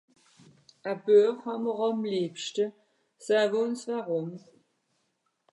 Well Büech hàà-m'r àm lìebschte ? Saan uns warùm